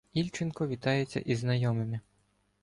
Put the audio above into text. Ільченко вітається зі знайомими.